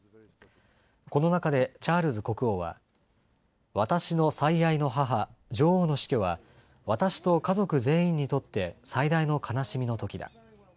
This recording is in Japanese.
この中でチャールズ国王は、私の最愛の母、女王の死去は私と家族全員にとって最大の悲しみのときだ。